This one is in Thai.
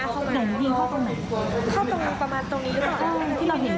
เข้าตรงประมาณตรงนี้แล้วก็ไม่แน่ใจว่าเขาว่าปืนมันมาจากทางไหน